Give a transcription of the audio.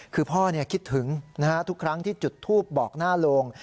คือพ่อคิดถึงทุกครั้งที่จุดทูปบอกหน้าโรง